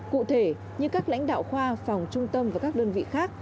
cụ thể như các lãnh đạo khoa phòng trung tâm và các đơn vị khác